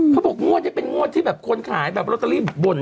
เขาบอกงวดนี้เป็นงวดที่แบบคนขายแบบลอตเตอรี่บ่น